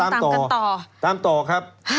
ต้องตามกันต่อครับ